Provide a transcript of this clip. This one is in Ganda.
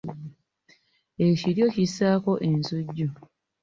Ekiryo kissaako ensujju.